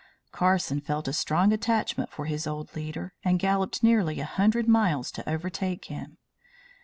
Carson felt a strong attachment for his old leader and galloped nearly a hundred miles to overtake him.